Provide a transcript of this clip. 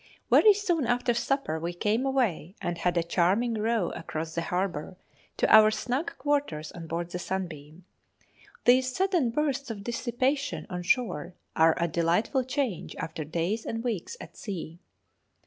Very soon after supper we came away and had a charming row across the harbour to our snug quarters on board the 'Sunbeam.' These sudden bursts of dissipation on shore are a delightful change after days and weeks at sea.